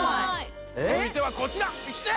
続いてはこちら見して！